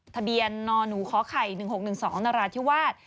ทะเบียนนหนูขอไข่๑๖๑๒นราธิวาส